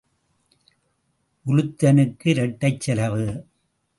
உலுத்தனுக்கு இரட்டைச் செலவு.